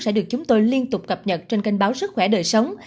sẽ được chúng tôi liên tục cập nhật trên kênh báo sức khỏe đời sống